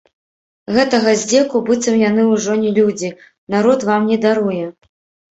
Гэтага здзеку, быццам яны ўжо не людзі, народ вам не даруе.